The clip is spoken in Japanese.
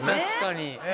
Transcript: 確かに。